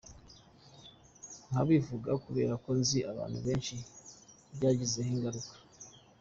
ndabivuga kubera ko nzi abantu benshi byagizeho ingaruka.